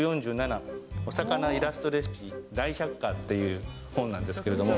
お魚イラストレシピ大百科っていう本なんですけれども。